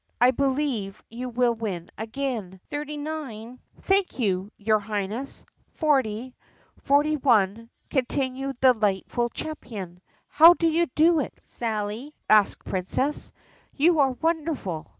"I believe you will win again." "Thirty nine — thank you, your Highness — forty, forty one, —" continued the delighted champion. "How do you do it, Sally ?' asked the Princess. "You are wonderful!"